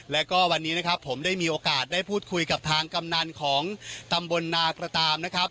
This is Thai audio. แล้วก็วันนี้นะครับผมได้มีโอกาสได้พูดคุยกับทางกำนันของตำบลนากระตามนะครับ